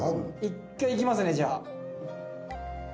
一回いきますねじゃあ。